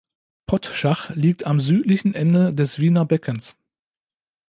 Pottschach liegt am südlichen Ende des Wiener Beckens.